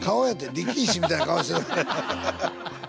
力石みたいな顔してる。